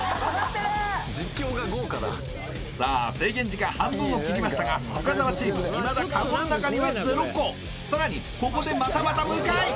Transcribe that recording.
さあ制限時間半分を切りましたが深澤チームいまだカゴの中には０個さらにここでまたまた向井！